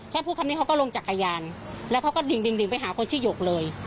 แค่พูดคำนี้เขาก็ลงจักรยานแล้วเขาก็ดิ่งไปหาคนชื่อหยกเลย